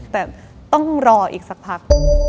แต่ต้องรออีกสักพัก